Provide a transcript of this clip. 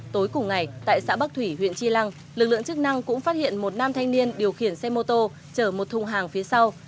tối cùng ngày tại xã bắc thủy huyện tri lăng lực lượng chức năng cũng phát hiện một nam thanh niên điều khiển xe mô tô chở một thùng hàng phía sau